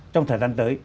trong thời gian tới